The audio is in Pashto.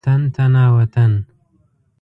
تن تنا وطن.